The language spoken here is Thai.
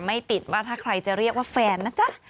ไม่ติดว่าถ้าใครจะเรียกว่าแฟนนะจ๊ะ